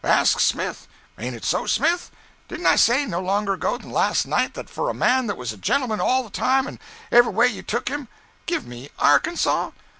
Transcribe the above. Ask Smith. Ain't it so, Smith? Didn't I say, no longer ago than last night, that for a man that was a gentleman all the time and every way you took him, give me Arkansas?